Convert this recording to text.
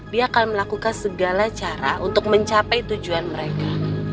dia akan melakukan segala cara untuk mencapai tujuan mereka